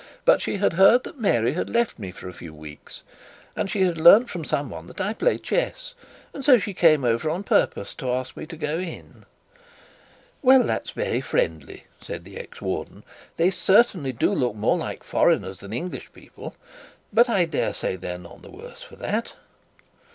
But she had learnt that Mary had left me for a few weeks, and she had learnt from some one that I play chess, and so she came over on purpose to ask me to go in.' 'Well, that's very friendly,' said the ex warden. 'They certainly do look more like foreigners than English people, but I dare say they are none the worse for that.'